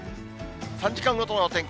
３時間ごとのお天気。